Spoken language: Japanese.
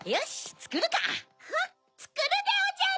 つくるでおじゃる。